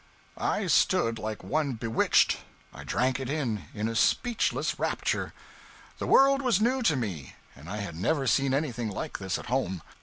I stood like one bewitched. I drank it in, in a speechless rapture. The world was new to me, and I had never seen anything like this at home.